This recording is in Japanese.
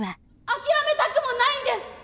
諦めたくもないんです！